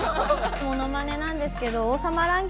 ものまねなんですけどいきます。